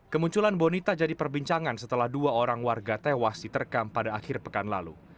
kemunculan bonita jadi perbincangan setelah dua orang warga tewas diterkam pada akhir pekan lalu